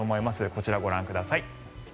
こちらをご覧ください。